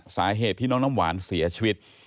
สาเหตุที่น้องน้ำหวานเสียชีวิต